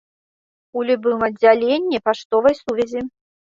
У любым аддзяленні паштовай сувязі.